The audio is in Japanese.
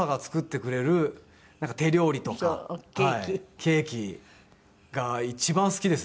ケーキが一番好きですね。